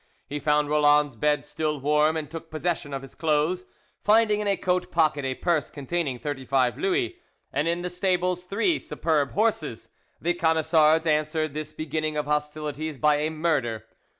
He found Roland's bed still warm, and took possession of his clothes, finding in a coat pocket a purse containing thirty five Louis, and in the stables three superb horses. The Camisards answered this beginning of hostilities by a murder.